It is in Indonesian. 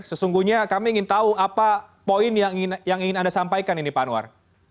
sesungguhnya kami ingin tahu apa poin yang ingin anda sampaikan ini pak anwar